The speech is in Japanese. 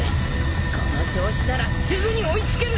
この調子ならすぐに追い付ける。